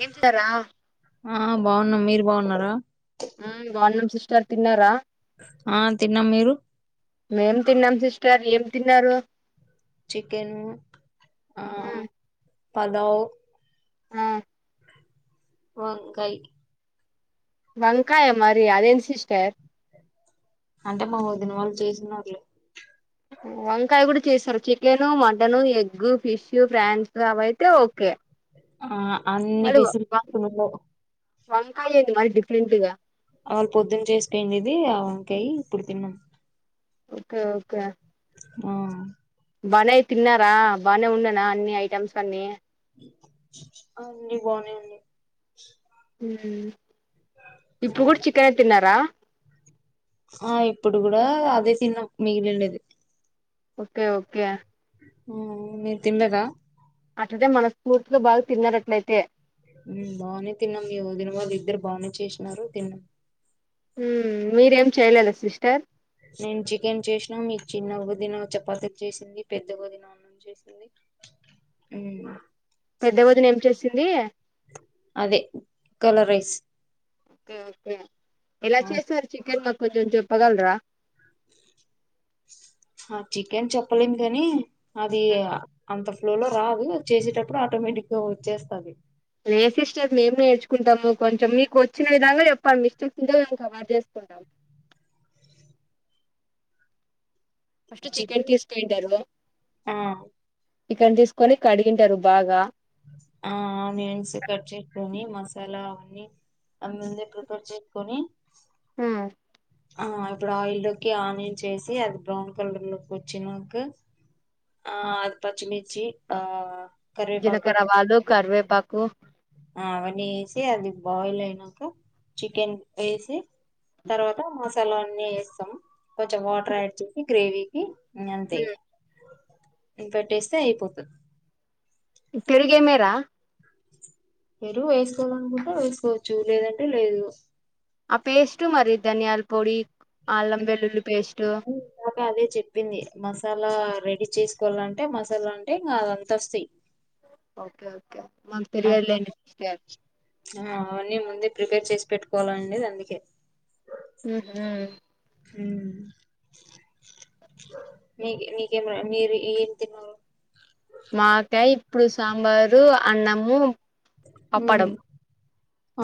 ఏం చుత్తర్రా ఆ బావున్నం మీరు బావున్నారా ఆ బావున్నం సిస్టర్ తిన్నారా ఆ తిన్నాం మీరు మేం తిన్నాం సిస్టర్ ఏం తిన్నారు చికెను, ఆ ఉమ్ పలావ్ ఆ వంకాయ్ వంకాయ మరి అదేంది సిస్టర్ అంటే మా వదిన వాళ్ళు చేసినార్లే వంకాయ గూడ చేస్తరు chicken, mutton, egg, fish, prawns అవయితే ఓకే ఆ అన్ని ఫెసిలి ఉండవ్ వంకాయేంటి మరి డిఫరెంట్ గ ఆళ్ పొద్దున్న చేస్తే ఇంగిది ఆ వంకాయి ఇప్పుడు తిన్నాం ఓకే ఓకే ఆ బానే తిన్నారా బానే ఉండెనా అన్ని ఐటెమ్స్ అన్ని ఆ అండి బానే ఉన్నాయ్ ఉమ్ ఇప్పుడు గూడ చికెనె తిన్నారా ఆ ఇప్పుడు గూడా అదే తిన్ననం మిగిలుండేది ఓకే ఓకే ఉమ్ మీర్ తిన్నరా అట్లిట్ల మనస్ఫూర్తిలో బాగ తిన్నరట్లయితే ఉమ్ బానే తిన్నాం మీ వదిన వాల్లిద్దరు బానే చేసినారు తిన్నాం ఉమ్ మీరేం చెయలేద సిస్టర్ నేను చికెన్ చేసినా, మీ చిన్న వదిన చపాతి చేసింది పెద్దగొదిన ఉమ్ పెద్ద వదిన ఏం చేసింది అదే కలర్ రైస్ ఓకే ఓకే ఎలా చేస్తారు చికెన్ మాకు కొంచెం చెప్పగలరా ఆ చికెన్ చెప్పలేము కాని అది అంత ఫ్లోలో రాదు చేసేటప్పుడు ఆటోమేటిక్ గా వచ్చేస్తుంది. లేేసిస్టే మేము నేర్చుకుంటము కొంచెం మీకు వచ్చిన విధంగా చెప్పండి మిస్టేక్ ఉంటే మేము కవర్ చేస్తాం చేసుకుంటాం ఫస్ట్ చికెన్ తీసుకుంటారు. ఆ చికెన్ తీసుకొని కడిగింటారు. బాగా ఆ ఆనియన్స్ కట్ చేసుకొని మసాలా అవన్నీ ఆ ముందే ప్రిపేర్ చేసుకొని హ్ ఆ ఇప్పుడు ఆయిల్ లోకి ఆనియన్ చేసి అది బ్రౌన్ కలర్ లోకి వచ్చినాక ఆ అది పచ్చిమిర్చి ఆ కరివేపాకు జీలకర్ర ఆవాలు వేసి కరివేపాకు అవన్నీ వేసి అది బయిల్ అయినాక చికెన్ వేసి తర్వాత మసాలా అవన్నీ వేస్తాము. కొంచెం వాటర్ యాడ్ చేసి గ్రేవీకి అంత ఇంకోటేస్తే అయిపోతది తిరిగీ మేరా ఎరువు వేసుకోవాలనుకుంటె వేసుకోవచ్చు లేదంటే లేదు ఆ పేస్ట్ మరి ధనియాల పొడి అల్లం వెల్లుల్లి పేస్టు బాగా అదే చెప్పింది మసాలా రెడీ చేసుకోవాలంటే మసాలా అంటే ఇంకా అ అంత వస్తాయి ఓకే ఓకే మ ఆ తెలియాలీ లెండి ఆ అవన్నీ ముందే ప్రిపేర్ చేసి పెట్టుకోవాలండి అందుకే ఉహ్ హ్ మీ మీకే మీరు ఏం తిన్నరూ మాకా ఇప్పుడు సాంబారు అన్నము హ్ పప్పడం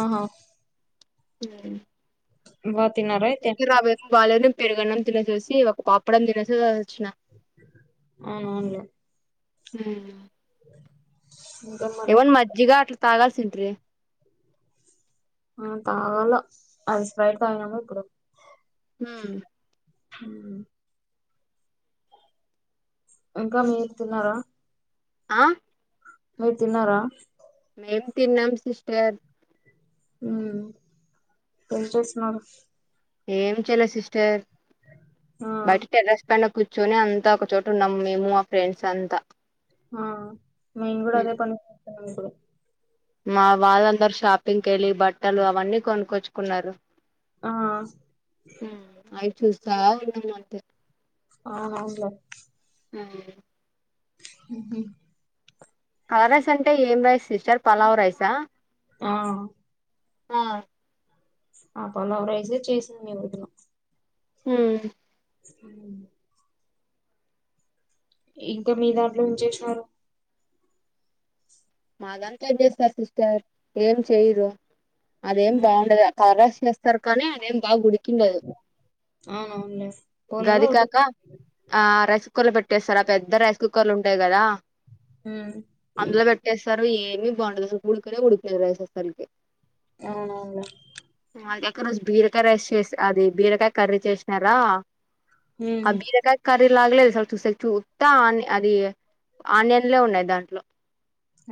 ఆహా స వ కిరక్ పాలన్నం పెరుగన్నం తినేసి వచ్చి ఒక పాపడం తినేసిసి వోచ్చిన అవును అవును హ్ ఇంకా మరి ఏవన్ మజ్జగా అట్లా తాగాల్సింటీ ఆ తాగాల ఐ స్ ఫ్రైడ్ తగినము ఇప్పుడు హ్ హ్ ఇంకా మీరూ తీన్నారా ఆ మీరు తిన్నారా ఏం తిన్నం సిస్టర్ హ్ ఏం చేస్తున్నారు ఏం చేయాల సిస్టర్ ఆ బయట టెర్రస్ పైన్ కూర్చొని అంతా ఒక చోట ఉన్నాం. మేము మా ఫ్రెండ్స్ అంతా ఆ మేము కూడా అదే పని కూడా మా వాళ్ళందరు షాపింగ్కి వెళ్ళి బట్టలు అవన్నీ కొనుక్కొచ్చుకున్నారు ఆ అయి చేస్త ఉన్నం అంతే ఆహా అవున్లె ఉ అ కల రైస్ అంటే ఏం రైస్ సిస్టర్ పలావ రైసా ఆ ఆ అ పలావ్ రైసే చేసింది మేము హు అ ఇంకా మీ దాంట్లో ఉంచేసినారు మాదంతా చేస్తారు సిస్టర్ ఏం చెయరు అదేం ఉమ్. బాగుండదు తరస్ చేస్తారు కానీ అదేం బాగుడి కిందదు అవునవునులే పోలేదా గాది ఓటి కాకా ఆ రైస్ కుక్కర్లు పెట్టేస్తారా పెద్ద రైస్ కుక్కర్లు ఉంటాయి కదా హ అందులో పెట్టేస్తారు ఏమి బాంగుండదు ఉడుకనే ఉడుకదు రైస్ అస్సల్కే అవునవును మా ఎక రోజు బీరకాయ రైస్ చేస అది బీరకాయ కర్రీ చేసినారా ఆ మ్మ్ బీరకాయ కర్రీ లాగాలేస చూస్తే చూస్తా ఆ అది ఆనియన్లే ఉన్నాయి దాంట్లో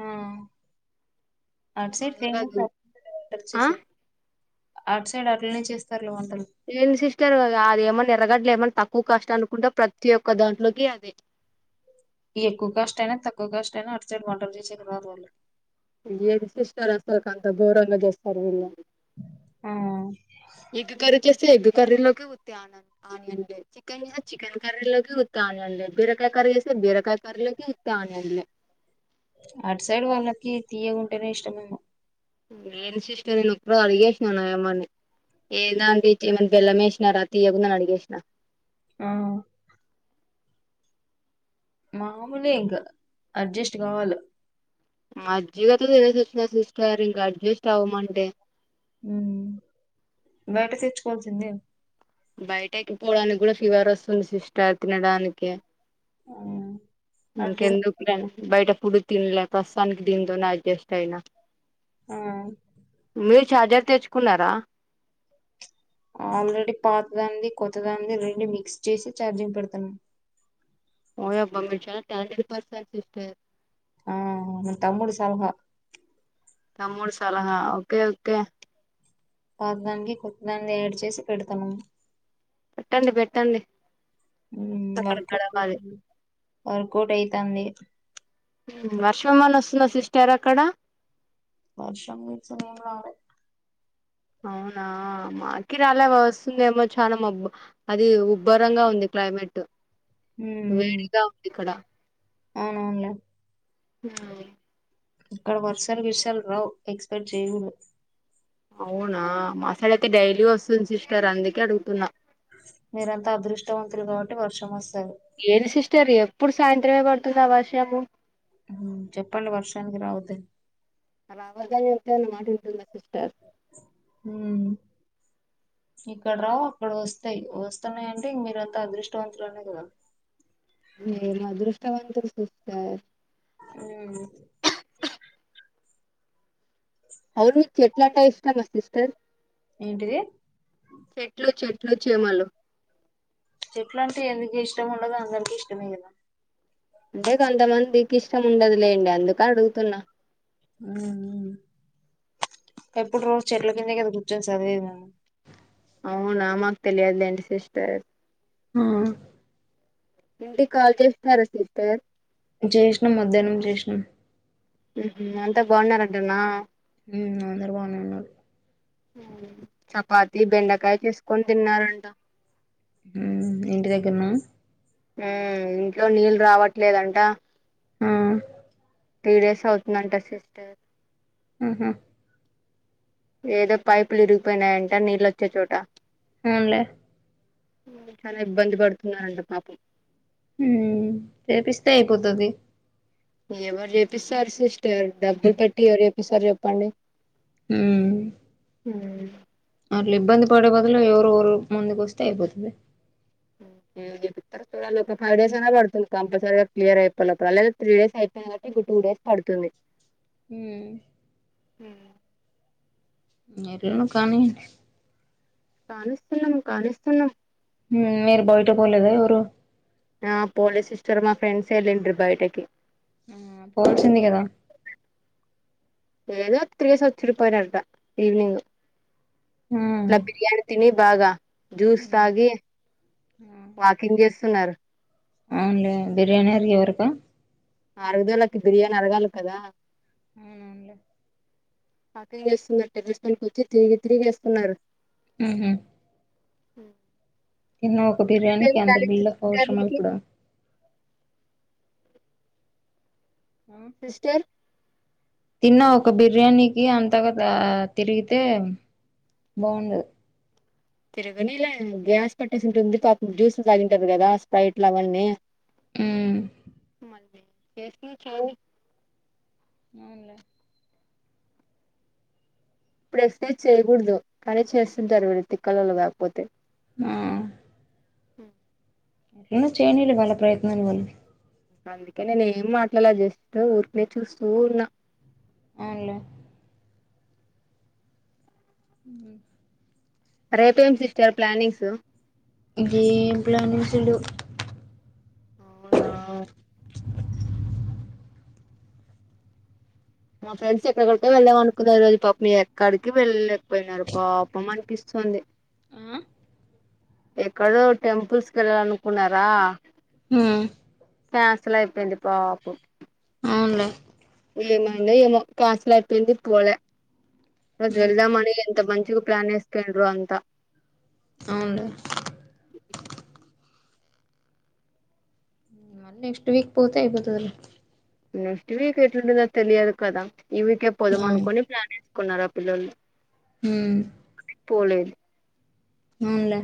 ఆ అట్సైడ్ ఫేమస్ ఆ పర్చసస్ అట్ సైడ్ అట్లనే చేస్తారులు వంటలు ఏం సిస్టర్ అది ఏమన్నా ఎర్రగడ్లు ఏమన్నా తక్కువ కాస్ట్ అనుకుంటే ప్రతి ఒక్క దాంట్లోకి అదే ఈ ఎక్కువ కాస్ట్ అయినా తక్కువ కాస్ట్ అయినా అటు సైడ్ వంటలు చేసేది రాదుళ్ళ ఏది సిస్టర్ అసలుకి అంత ఘోరంగా చేస్తారు వీళ్ళు ఎగ్ కర్రీ చేస్తే ఎగ్గు కర్రీలోకి ఉత్తి ఆ ఆనియన్లే చికెన్ చేస్తే చికెన్ కర్రీలోకి ఉత్త ఆనియన్లే బీరకాయ కర్రీ చేస్తే బీరకాయ కర్రిలోకి ఉత్త ఆనియన్లే అటు సైడ్ వాళ్ళకి తీయకుంటేనే ఇష్టమేమో నేను సిస్టర్ నేను ఒప్పుడు అడిగేసినాను అయమ్మని ఏంది అంటి బెల్లం ఏసినరా తియ్యగుందని అడిగేసిన ఆ మామూలే ఇంగా అడ్జస్ట్ కావాల మజ్జిగతో చేసుతున్న సిస్టర్ ఇంగా అడ్జస్ట్ అవ్వమంటే ఊ బయట తెచ్చుకోవాల్సిందే బయటకి పోవడానికి కూడా ఫీవర్ వస్తుంది సిస్టర్ తినడానికి అటు ఇంకెందుకులే బయట ఫుడ్ తినలే ప్రస్తుతానికి దినితోనే అడ్జస్ట్ అయినా ఆ మీరు ఛార్జర్ తెచ్చుకున్నారా ఆల్రెడీ పాత దానిది కొత్త దానిది రెండు మిక్స్ చేసి ఛార్జింగ్ పెడతన్నా ఓయబ్బ మీరు చాలా టాలెంట్ పర్సన్ సిస్టర్ ఆ మీ తమ్ముడు సలహా తమ్ముడి సలహ ఓకే ఓకే పాతదానికి కొత్త దాన్ని ఏడ్ చేసి పెడుతున్నము పెట్టండి పెట్టండి హ్మ్ అక్కడ వర్క గడవాలి [inaudible] వర్కౌట్ అయితంది. వర్షం గాని వస్తుందా సిస్టర్ అక్కడ వర్షం గిర్షం ఏం రాలే అవునా మాకి రాలె వస్తుందేమో చానా మబ్బు అది ఉబ్బరంగా ఉంది క్లైమేట్ మ్మ్ వేడిగా ఉంది ఇక్కడ అవును అవునులే హ్మ్ ఇక్కడ వర్సాలు విర్సలు రావు ఎక్స్పెక్ట్ చేయ్యకూడదు అవునా మాసైడైతే డైలీ వస్తుంది సిస్టర్ అందుకే అడుగుతున్నా మీరంతా అదృష్టవంతులు కాబట్టి వర్షం వస్తది ఏది సిస్టర్ ఎప్పుడు సాయంత్రమే పడుతుందా వర్షము హ్మ్ చెప్పండి వర్షానికి రావద్దని అలా అబద్ధాలు చెప్తుంది మాట వింటుంది అనిపిస్తాది హ్మ్ ఇక్కడ రావు అక్కడ వస్తాయి వస్తున్నాయంటే ఇంగ మీరంతా అదృష్టవంతులనే కదా మీరు ఏం అదృష్టవంతులు సిస్టర్ హ్మ్ అవును మీకు చెట్లు అంటే ఇష్టమా సిస్టర్ ఏంటి చెట్లు చెట్లు చేమలు చెట్లు అంటే ఎందుకు ఇష్టం ఉండదు అందరికీ ఇష్టమే గదా అంటే కొంతమందికి ఇష్టం ఉండదులేండి అందుకని అడుగుతున్నా ఎప్పుడు రోజు చెట్ల కిందే కద కూర్చొని చదివేది మేము అవునా మాకు తెలియదులేండి సిస్టర్ హ్మ్ ఇంటికి కాల్ చేస్తున్నారా సిస్టర్ చేసినాం మధ్యాహ్నం చేసినాం హుహు అంతా బావున్నారంటనా హ్మ్ అందరు బానే ఉన్నారు చపాతి బెండకాయ తీసుకొని తిన్నారంట హ్మ్ ఇంటి దగ్గరన హ్మ్ ఇంట్లో నీళ్ళు రావట్లేదంట హ్మ్ త్రీ డేస్ అవుతుందంట సిస్టర్ ఊహూ ఏదో పైపులు విరిగిపోయినాయంట నీళ్ళొచ్చే చోట అవునులే చాలా ఇబ్బంది పడుతున్నారంట పాపం చెపిస్తే అయిపోతుది ఎవరు చేపిస్తారు సిస్టర్ డబ్బులు పెట్టి ఎవరు చేపిస్తారు చెప్పండి హ్మ్ హ్మ్ అట్లా ఇబ్బంది పడే బదులు ఎవరు ఒకరు ముందుకు వస్తే అయిపోతుంది ఏం చేపిత్తారో చూడాలి ఫైవ్ డేస్ ఐనా పడుతుంది కంపల్సరిగా క్లియర్ అయిపోయేలోపు ఆల్రెడీ త్రీ డేస్ అయిపో [inaudible] ఇంకో టూ డేస్ పడుతుంది ఊ ఊ ఊ ఎట్లనో కానీ కానిస్తున్నం కానిస్తున్నం ఊశ మీరు బయట పోలేదా ఎవరూ ఆ పోలే సిస్టర్ మా ఫ్రెండ్స్ ఎళ్ళింట్రి బయటకి ఆ పోవాల్సింది కదా ఏదో తిరిగేసి వచ్చిర్రు పోయినారు అట ఈవినింగ్ ఆ ఇట్లా బిర్యానీ తిని బాగా జ్యూస్ హ్మ్ తాగి ఆ వాకింగ్ చేస్తున్నారు అవునులే బిర్యానీ రివరుకో అరగుదలకి బిర్యానీ అరగాలి కదా అవును అవునులే వాకింగ్ చేస్తున్నారు టెర్రస్ పైకెక్కి తిరిగి తిరిగి వస్తున్నారు ఊహూ ఊ తిన్న ఒక బిర్యానీకి అంత బిల్డప్ అవసరమా ఇప్పుడు ఆ సిస్టర్ తిన్న ఒక బిర్యానీకి అంతగా దా తిరిగితే బావుండదు తిరగనీలే గ్యాస్ పట్టేసి ఉంటుంది పాపం జ్యూసులు తాగింటారు కదా స్ప్రైట్లు అవన్నీ హ్మ్ మళ్ళీ చేసుకున్న [inaudible] అవునులే ప్పుడు ఎస్సే చేయగూడదు కానీ చేస్తుంటారు మీరు తిక్కలోళ్ళు కాకపోతే ఆ ఏ చేనీలే వాళ్ళ ప్రయత్నలు వాళ్ళు అందుకే నేను ఏం మాట్లాడలే జస్ట్ ఊరికెనే చూస్తూ ఉన్నా అవునులే ఊ రేపేం సిస్టర్ ప్లానింగ్సు ఇంకేం ప్లానింగ్స్ లే అవునా మా ఫ్రెండ్స్ ఎక్కడి [inaudible] వెళ్దామనుకున్నారు ఈ రోజు పాపం ఎక్కడికీ వెళ్ళలేకపోయినారు పాపం అన్పిస్తుంది ఆ ఎక్కడో టెంపుల్స్ కి వెళ్ళాలనుకున్నారా ఊ క్యాన్సల్ అయిపోయింది పాపం అవునులే ఏమైందో ఏమో కాన్సల్ అయిపోయింది పోలే రోజు వెల్దాం అని ఎంత మంచిగ ప్లాన్ ఏస్కేరో అంత అవునులే మల్లి నెక్స్ట్ విక్ పోతే ఐపోతదిలే నెక్స్ట్ వీక్ ఎట్లుంటదో తెలియదు కదా ఈ వీకే పోదాం ఆ అనుకుని ప్లాన్ ఏసుకున్నారు ఆ పిల్లోల్లు ఊ పోలేదు అవునులే